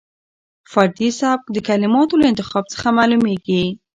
فردي سبک د کلماتو له انتخاب څخه معلومېږي.